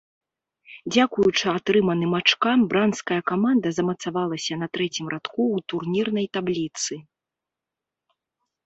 Дзякуючы атрыманым ачкам бранская каманда замацавалася на трэцім радку ў турнірнай табліцы.